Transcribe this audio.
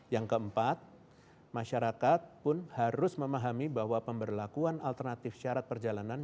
yang keempat masyarakat pun harus memahami bahwa pemberlakuan alternatif syarat perjalanan